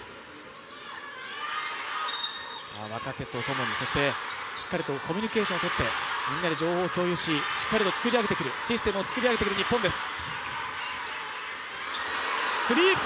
若手とともにしっかりとコミュニケーションをとって情報を共有ししっかりとシステムを作り上げてくる日本です。